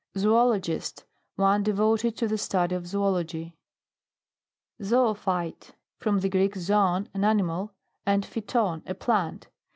ZOOLOGIST. One devoted to the study of zoology. ZOOPHYTE. From the Greek, zoon an animal, and phuton, a plant.